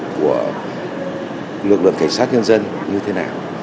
của lực lượng cảnh sát nhân dân như thế nào